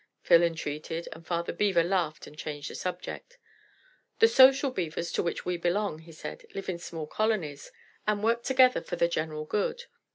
Phil entreated, and Father Beaver laughed and changed the subject. "The Social Beavers to which we belong," he said, "live in small colonies, and work together for the general good.